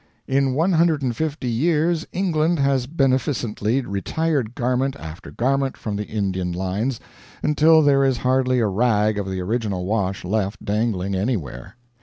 In 150 years England has beneficently retired garment after garment from the Indian lines, until there is hardly a rag of the original wash left dangling anywhere.